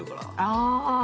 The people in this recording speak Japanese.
ああ！